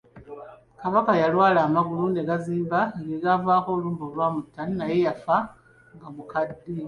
Kabaka yalwala amagulu ne gazimba, ge gaavaako olumbe olwamutta, naye yafa nga mukadde.